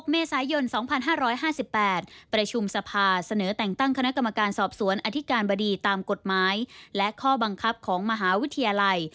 เมษายน๒๕๕๘ประชุมสภาเสนอแต่งตั้งคณะกรรมการสอบสวนอธิการบดีตามกฎหมายและข้อบังคับของมหาวิทยาลัย